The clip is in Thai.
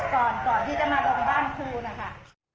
ก่อนที่จะมาลงบ้านครูนะคะ